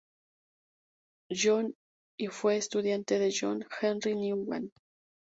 John y fue estudiante de John Henry Newman.